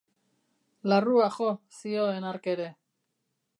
Larrua jo, zioen hark ere.